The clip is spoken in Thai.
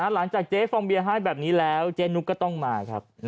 หลังจากเจ๊ฟองเบียให้แบบนี้แล้วเจ๊นุ๊กก็ต้องมาครับ